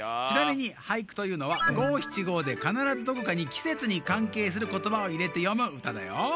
ちなみに俳句というのは五・七・五でかならずどこかに季節にかんけいする言葉をいれてよむうただよ。